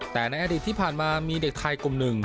แต่ในอดีตที่ผ่านมามีเด็กไทยกลุ่มหนึ่ง